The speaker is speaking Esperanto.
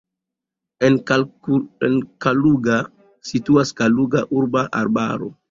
En Kaluga situas Kaluga urba arbaro.